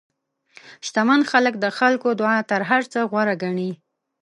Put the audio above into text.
شتمن خلک د خلکو دعا تر هر څه غوره ګڼي.